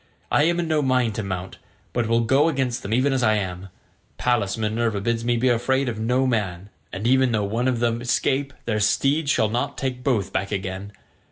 I am in no mind to mount, but will go against them even as I am; Pallas Minerva bids me be afraid of no man, and even though one of them escape, their steeds shall not take both back again.